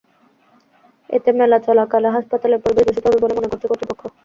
এতে মেলা চলাকালে হাসপাতালের পরিবেশ দূষিত হবে বলে মনে করছে কর্তৃপক্ষ।